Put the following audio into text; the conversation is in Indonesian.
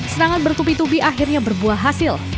serangan bertubi tubi akhirnya berbuah hasil